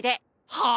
はあ！？